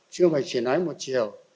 chưa phải chỉ nói một chiều